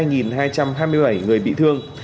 hai hai trăm hai mươi bảy người bị thương